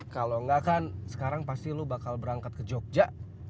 kalau enggak kan sekarang pasti lo bakal berangkat ke jogja